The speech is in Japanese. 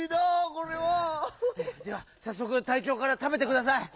これは！ではさっそくたいちょうからたべてください！